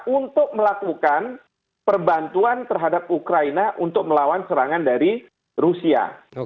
untuk melakukan perbantuan terhadap ukraina untuk melawan serangan dari rusia